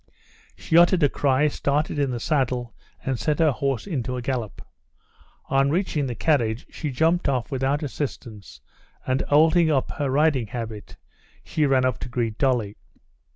She uttered a cry, started in the saddle, and set her horse into a gallop. On reaching the carriage she jumped off without assistance, and holding up her riding habit, she ran up to greet Dolly.